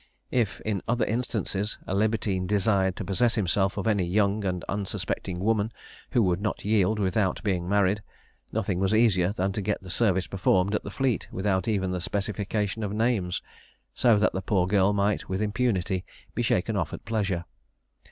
If, in other instances, a libertine desired to possess himself of any young and unsuspecting woman, who would not yield without being married, nothing was easier than to get the service performed at the Fleet without even the specification of names; so that the poor girl might with impunity be shaken off at pleasure.